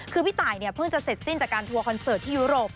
คือพี่ตายเนี่ยเพิ่งจะเสร็จสิ้นจากการทัวร์คอนเสิร์ตที่ยุโรป